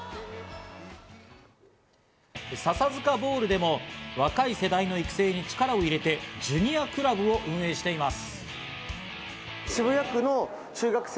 笹塚ボウルでも若い世代の育成に力を入れてジュニアクラブを運営しています。